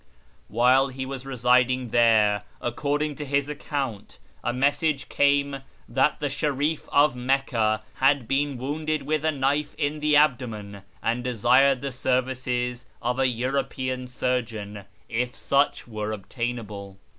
While he was residing there (according to his account) a message came that the Sherif of Mecca had been wounded with a knife in the abdomen, and desired the services of a European surgeon, if such were obtainable.